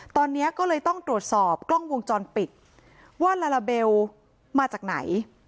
ตอนนี้ก็เลยต้องตรวจสอบกล้องวงจรปิดว่าลาลาเบลมาจากไหน